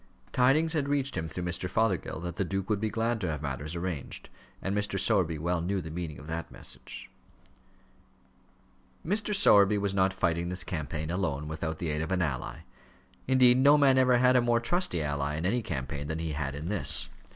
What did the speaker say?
Tidings had reached him, through Mr. Fothergill, that the duke would be glad to have matters arranged; and Mr. Sowerby well knew the meaning of that message. Mr. Sowerby was not fighting this campaign alone, without the aid of any ally. Indeed, no man ever had a more trusty ally in any campaign than he had in this.